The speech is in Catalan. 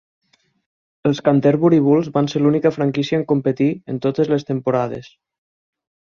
Els Canterbury Bulls van ser l'única franquícia en competir en totes les temporades.